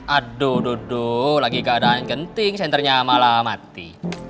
aduh duduk lagi keadaan genting centernya malah mati